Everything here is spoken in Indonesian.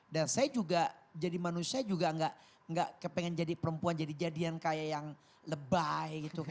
dan saya juga jadi manusia juga enggak kepengen jadi perempuan jadi jadian kayak yang lebay gitu